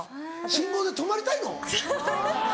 「信号で止まりたいの」